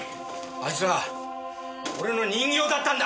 あいつは俺の人形だったんだ！